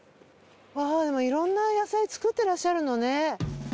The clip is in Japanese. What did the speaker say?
でもいろんな野菜作ってらっしゃるのね。